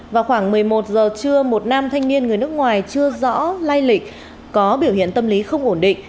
vào khoảng một mươi một giờ trưa một nam thanh niên người nước ngoài chưa rõ lai lịch có biểu hiện tâm lý không ổn định